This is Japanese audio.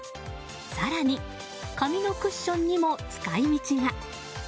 更に紙のクッションにも使い道が。